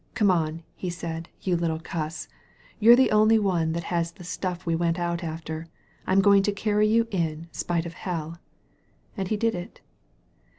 "Come on," he said, "you little cuss. You're the only one that has the stuff we went out after. I'm going to carry you in, 'spite of hell." And he did it.